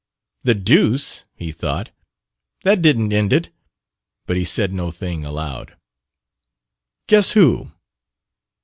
"The deuce!" he thought. "That didn't end it!" But he said no thing aloud. "Guess who!"